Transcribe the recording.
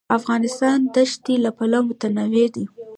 افغانستان د ښتې له پلوه متنوع دی.